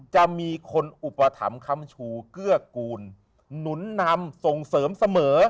จะมีคนอุปถัมภ์คำชูเกื้อกูลหนุนนำส่งเสริมเสมอ